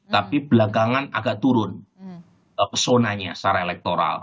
tapi belakangan agak turun personanya secara elektoral